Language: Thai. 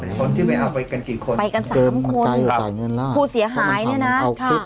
เอาไปแล้วใช่ป่ะคนที่ไปเอาไปกันกี่คน